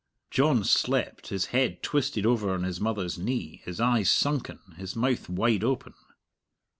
John slept, his head twisted over on his mother's knee, his eyes sunken, his mouth wide open.